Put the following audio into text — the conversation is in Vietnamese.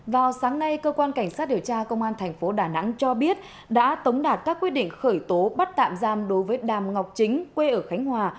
vào sáng nay cơ quan cảnh sát điều tra công an thành phố đà nẵng cho biết đã tống đạt các quyết định khởi tố bắt tạm giam đối với đàm ngọc chính quê ở khánh hòa